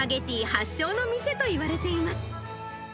発祥の店といわれています。